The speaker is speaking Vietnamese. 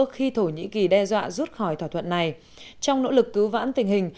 khi thổ nhĩ kỳ đe dọa rút khỏi thỏa thuận này trong nỗ lực cứu vãn tình hình